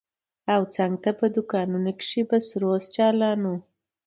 او څنگ ته په دوکانونو کښې به سروذ چالان و.